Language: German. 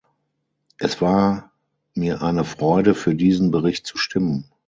Es war mir eine Freude, für diesen Bericht zu stimmen.